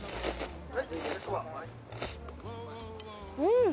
うん！